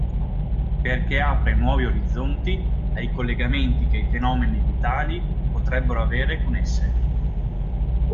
Perché apre nuovi orizzonti ai collegamenti che i fenomeni vitali potrebbero avere con esse.